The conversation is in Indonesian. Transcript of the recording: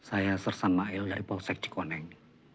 saya sersan mail dari polsek cikwoneg